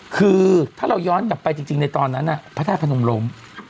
คือถ้าเราย้อนกลับไปจริงในตอนนั้นพระธาตุพนมล้ม